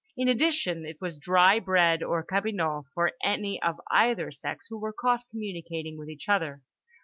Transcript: In addition, it was dry bread or cabinot for any of either sex who were caught communicating with each other.